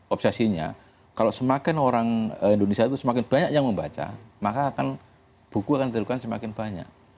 obsesinya kalau semakin orang indonesia itu semakin banyak yang membaca maka akan buku akan dilakukan semakin banyak